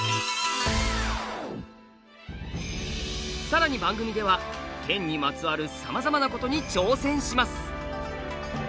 さらに番組では剣にまつわるさまざまなことに挑戦します。